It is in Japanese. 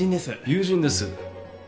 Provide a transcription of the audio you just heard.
友人です。